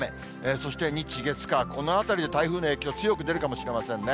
そして日、月、火、このあたりで台風の影響強く出るかもしれませんね。